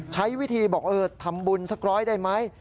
ใช้วิธีบอกเออทำบุญสักร้อยได้ไหม